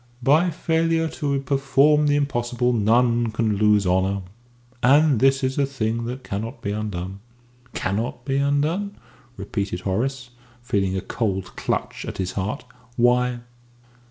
"By failure to perform the impossible none can lose honour. And this is a thing that cannot be undone." "Cannot be undone?" repeated Horace, feeling a cold clutch at his heart. "Why?"